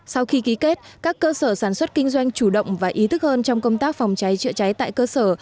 sau khi ký kết các cơ sở sản xuất kinh doanh chủ động và ý thức hơn trong công tác phòng cháy chữa cháy tại cơ sở